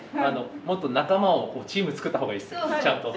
もっと仲間をチーム作ったほうがいいですちゃんと。